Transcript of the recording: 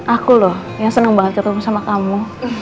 aku loh yang senang banget ketemu sama kamu